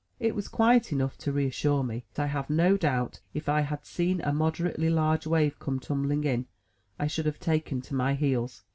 It was quiet enough to reassure me, but I have no doubt if I had seen a moderately large wave come tumbling in, I should have taken to my heels.